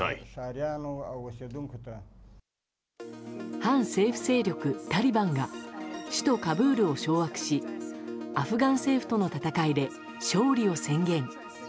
反政府勢力タリバンが首都カブールを掌握しアフガン政府との戦いで勝利を宣言。